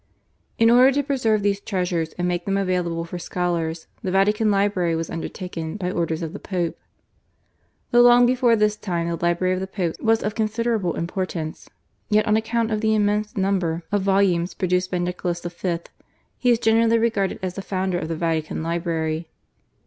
In order to preserve these treasures and make them available for scholars the Vatican Library was undertaken by orders of the Pope. Though long before this time the library of the Popes was of considerable importance, yet on account of the immense number of volumes produced by Nicholas V. he is generally regarded as the founder of the Vatican Library.